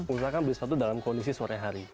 usahakan beli sepatu dalam kondisi sore hari